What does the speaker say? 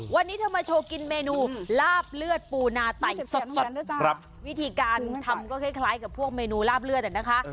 วันนี้เธอมาโชว์กินเมนูลาบเลือดปูนาไต่สดวิธีการทำก็คล้ายกับพวกเมนูลาบเลือดนะคะ